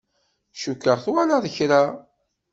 Cukkeɣ twalaḍ kra.